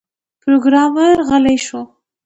پروګرامر غلی شو